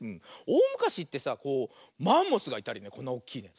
おおむかしってさこうマンモスがいたりこんなおっきいね。